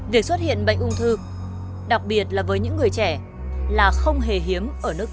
việc xuất hiện bệnh ung thư đặc biệt là với những người trẻ là không hề hiếm ở nước ta